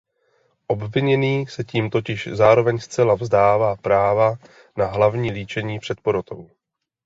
Obviněný se tím totiž zároveň zcela vzdává práva na hlavní líčení před porotou.